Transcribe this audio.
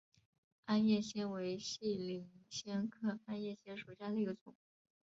鞍叶藓为细鳞藓科鞍叶藓属下的一个种。